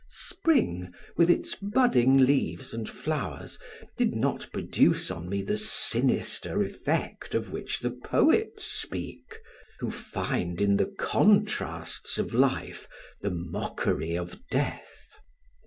Spring, with its budding leaves and flowers, did not produce on me the sinister effect of which the poets speak, who find in the contrasts of life the mockery of death.